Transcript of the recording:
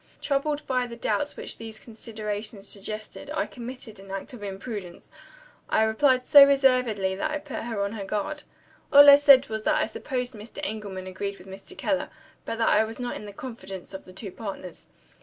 Troubled by the doubts which these considerations suggested, I committed an act of imprudence I replied so reservedly that I put her on her guard. All I said was that I supposed Mr. Engelman agreed with Mr. Keller, but that I was not in the confidence of the two partners.